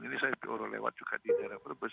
ini saya diurut lewat juga di jalan perbus